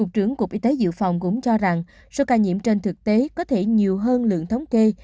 trưởng cục y tế dự phòng cũng cho rằng số ca nhiễm trên thực tế có thể nhiều hơn lượng thống kê